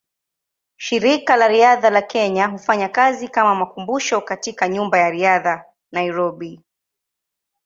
Shirika la Riadha la Kenya hufanya kazi kama makumbusho katika Nyumba ya Riadha, Nairobi.